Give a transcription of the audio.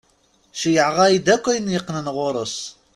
Cceyɛeɣ-ak-d akk ayen yeqqnen ɣur-s.